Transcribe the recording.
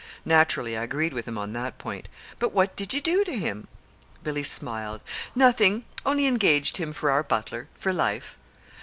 Naturally I agreed with him on that point. But what did you do to him?" Billy smiled. "Nothing only engaged him for our butler for life."